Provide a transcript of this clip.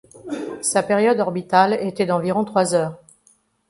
Sa période orbitale était d'environ trois heures.